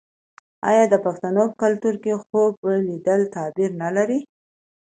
آیا د پښتنو په کلتور کې خوب لیدل تعبیر نلري؟